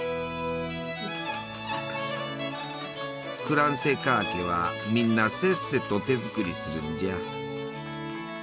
クランセカーケはみんなせっせと手作りするんじゃ。